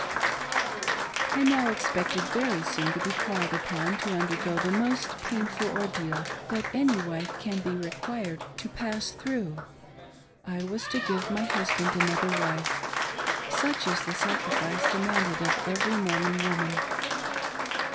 I now expected very soon to be called upon to undergo the most painful ordeal that any wife can be required to pass through : I was to give my husband another wife — such is the sacrifice demanded of every Mormon woman.